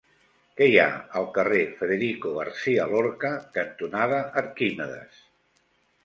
Què hi ha al carrer Federico García Lorca cantonada Arquímedes?